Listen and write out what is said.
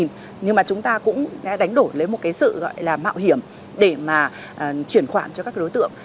nhưng mà chúng ta cũng đánh đổi lấy một cái sự gọi là mạo hiểm để mà chuyển khoản cho các đối tượng